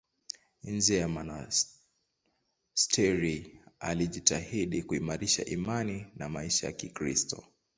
Nje ya monasteri alijitahidi kuimarisha imani na maisha ya Kikristo.